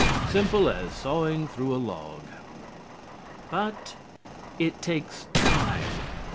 Simple as sawing through a log. But it takes time.